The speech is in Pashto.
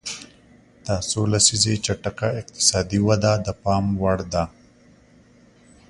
دا څو لسیزې چټکه اقتصادي وده د پام وړ ده.